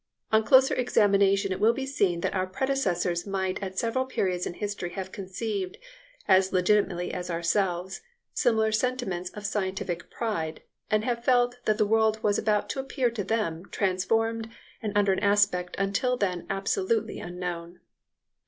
On closer examination it will be seen that our predecessors might at several periods in history have conceived, as legitimately as ourselves, similar sentiments of scientific pride, and have felt that the world was about to appear to them transformed and under an aspect until then absolutely unknown.